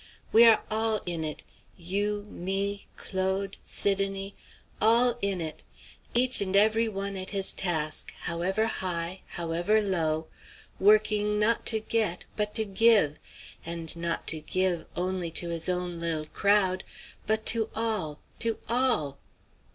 We are all in it; you, me, Claude, Sidonie; all in it! Each and every at his task, however high, however low, working not to get, but to give, and not to give only to his own li'l' crowd, but to all, to all!"